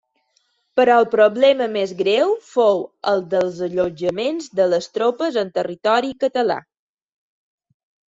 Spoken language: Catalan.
Però el problema més greu fou el dels allotjaments de les tropes en territori català.